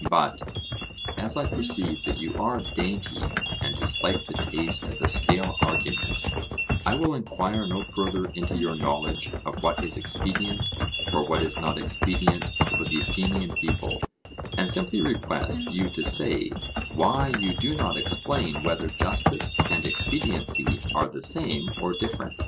But, as I perceive that you are dainty, and dislike the taste of a stale argument, I will enquire no further into your knowledge of what is expedient or what is not expedient for the Athenian people, and simply request you to say why you do not explain whether justice and expediency are the same or different?